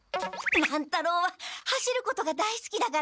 乱太郎は走ることが大すきだから。